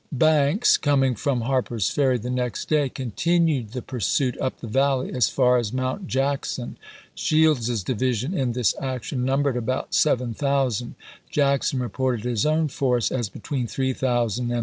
Banks, coming from Harper's Ferry the next day, continued the pursuit up the Valley as far as Mount Jackson. Shields's division in this action numbered about 7000; Jackson reported his own force as between 3000 and 3500.